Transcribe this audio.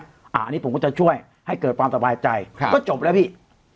อันนี้ผมก็จะช่วยให้เกิดความสบายใจก็จบแล้วพี่